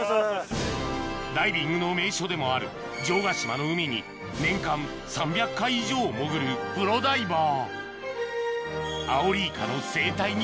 ダイビングの名所でもある城ヶ島の海に年間３００回以上潜るプロダイバー